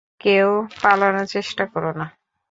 কেউ পালানোর চেষ্টা করো না!